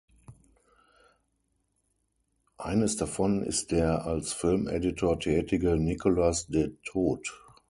Eines davon ist der als Filmeditor tätige Nicolas De Toth.